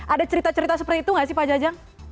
ada cerita cerita seperti itu nggak sih pak jajang